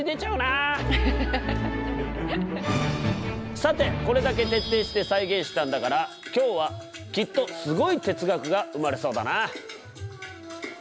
さてこれだけ徹底して再現したんだから今日はきっとすごい哲学が生まれそうだな。